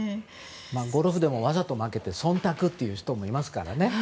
ゴルフでもわざと負けて忖度という人もいますからね。